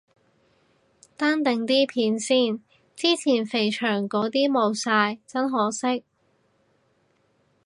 單定啲片先，之前肥祥嗰啲冇晒，真可惜。